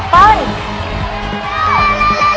เถอะแล้ว